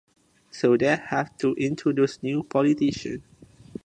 So they had to introduce new politicians.